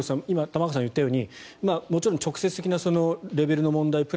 今、玉川さんがいったようにもちろん直接的なレベルの問題